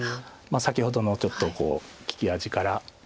先ほどのちょっと利き味から。